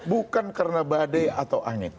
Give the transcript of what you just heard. bukan karena badai atau angin